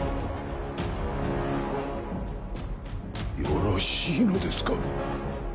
よろしいのですか？